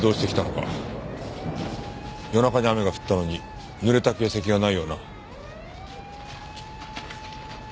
夜中に雨が降ったのに濡れた形跡がないよな。